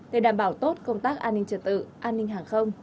để đảm bảo tốt công tác an ninh trật tự an ninh hàng không